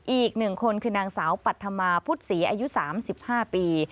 อีก๑คนคือนางสาวปัธมาพุทธศรีอายุ๓๕ปี